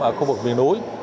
ở khu vực viên núi